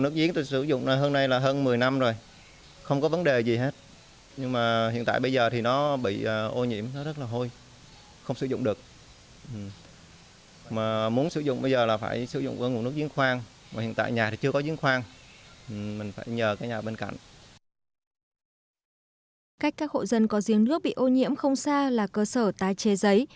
cách các hộ dân có riêng nước bị ô nhiễm không xa là cơ sở tái chế giấy